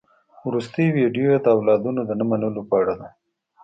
وروستۍ ويډيو يې د اولادونو د نه منلو په اړه ده.